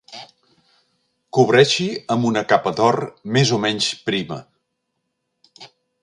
Cobreixi amb una capa d'or més o menys prima.